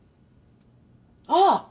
あっ。